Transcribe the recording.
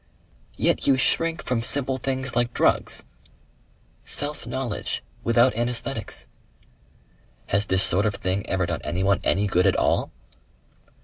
"Yet you shrink from simple things like drugs!" "Self knowledge without anaesthetics." "Has this sort of thing ever done anyone any good at all?"